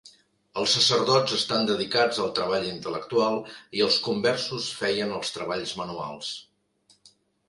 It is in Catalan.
Els sacerdots estan dedicats al treball intel·lectual i els conversos feien els treballs manuals.